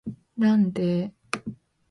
なんでーーー